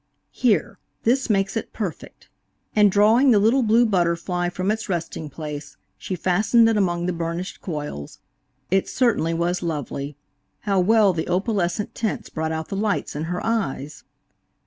"Here, this makes it perfect;" and drawing the little blue butterfly from its resting place she fastened it among the burnished coils. It certainly was lovely. How well the opalescent tints brought out the lights in her eyes!